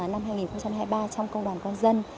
năm hai nghìn hai mươi ba trong công đoàn con dân